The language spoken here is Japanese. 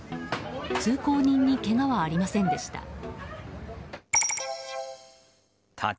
通行人にけがはありませんでした。